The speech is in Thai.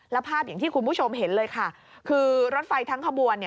แล้วภาพอย่างที่คุณผู้ชมเห็นเลยค่ะคือรถไฟทั้งขบวน